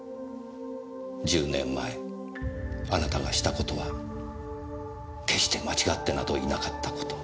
１０年前あなたがした事は決して間違ってなどいなかった事を。